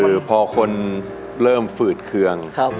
คือพอคนเริ่มฝืดเคือง